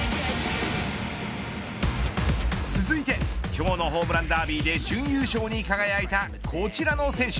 続いて今日のホームランダービーで準優勝に輝いたこちらの選手。